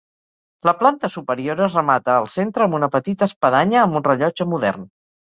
La planta superior es remata al centre amb una petita espadanya amb un rellotge modern.